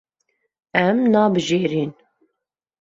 Em nabijêrin.